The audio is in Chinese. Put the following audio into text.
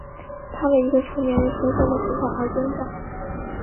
他为一个成年人重生的图画而挣扎。